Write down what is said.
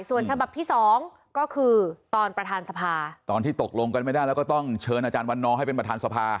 ส่วนฉบับที่สองก็คือตอนประธานสภาตอนที่ตกลงกันไม่ได้แล้วก็ต้องเชิญอาจารย์วันนอให้เป็นประธานสภา